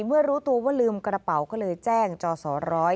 เมื่อรู้ตัวว่าลืมกระเป๋าก็เลยแจ้งจอส๑๐